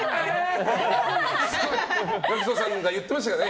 ＧＡＣＫＴさんが言ってましたね